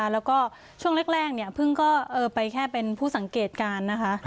แล้วก็ช่วงแรกเพิ่งก็ไปแค่เป็นผู้สังเกตการณ์นะคะ